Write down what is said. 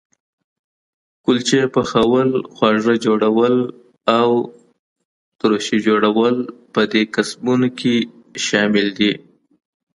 کلچې پخول، خواږه جوړول او ترشي جوړول په دې کسبونو کې شامل دي.